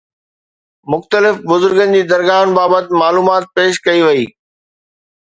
مختلف بزرگن جي درگاهن بابت معلومات پيش ڪئي وئي